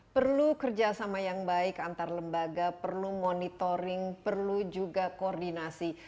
perlu kerjasama yang baik antar lembaga perlu monitoring perlu juga koordinasi